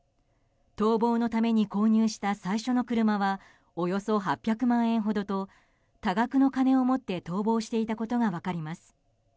逃亡のために購入した最初の車はおよそ８００万円ほどと多額の金を持って逃亡していたことが分かります。